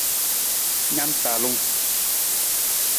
Na na talung.